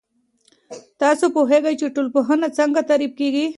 تاسو پوهیږئ چې ټولنپوهنه څنګه تعريف کیږي؟